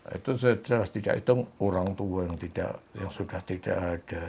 itu sudah tidak hitung orang tua yang sudah tidak ada